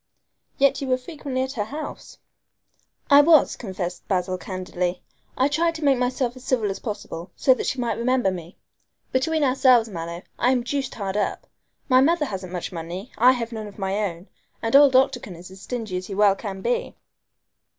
"Yet you were frequently at her house." "I was," confessed Basil candidly. "I tried to make myself as civil as possible, so that she might remember me. Between ourselves, Mallow, I am deuced hard up. My mother hasn't much money, I have none of my own, and old Octagon is as stingy as he well can be."